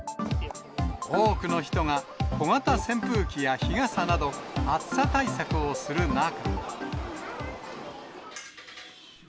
多くの人が小型扇風機や日傘など、暑さ対策をする中。